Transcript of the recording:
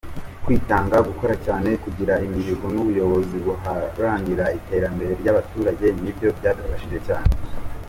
Kwitanga, gukora cyane, kugira imihigo n’ubuyobozi buharanira iterambere ry’abaturage nibyo byadufashije cyane.